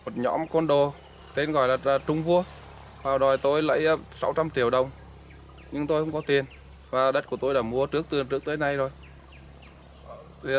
thuê đất của tôi đã mua trước tới nay rồi